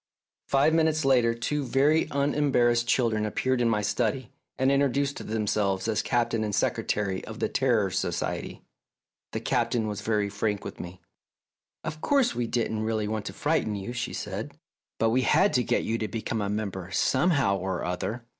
Five minutes later two very unembarrassed children appeared in my study, and intro duced themselves as Captain and Secretary of the Terror Society. The Captain was very frank with me. "Of course, we didn't really want to frighten you," she said, "but we had to get you to become a member somehow or other."